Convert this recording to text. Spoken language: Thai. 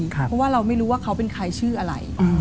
เพราะว่าเราไม่รู้ว่าเขาเป็นใครชื่ออะไร